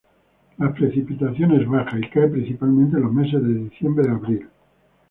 La precipitación es baja, y cae principalmente en los meses de diciembre a abril.